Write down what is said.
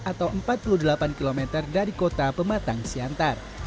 atau empat puluh delapan km dari kota pematang siantar